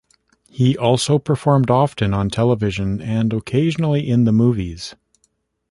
He also performed often on television and occasionally in the movies.